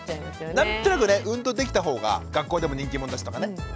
何となくね運動できた方が学校でも人気者だしとかね。